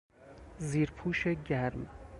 زیر پوش گرم